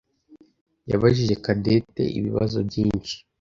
yabajije Cadette ibibazo byinshi.